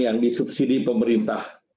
yang disubsidi pemerintah